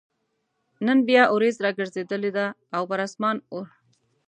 نن بيا اوريځ راګرځېدلې ده او پر اسمان اوره ګرځي